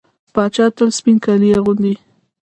پاچا تل سپين کالي اغوندي .